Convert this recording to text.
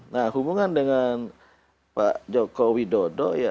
nah hubungan dengan pak joko widodo ya